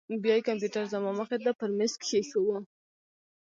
بيا يې کمپيوټر زما مخې ته پر ميز کښېښوو.